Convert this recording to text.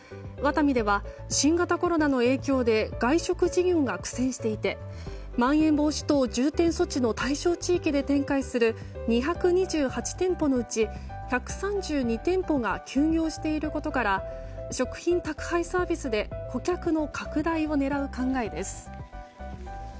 ワタミでは新型コロナの影響で外食事業が苦戦していてまん延防止等重点措置の対象地域で展開する２２８店舗のうち１３２店舗が休業していることから食品宅配サービスで顧客の拡大を狙う考えです。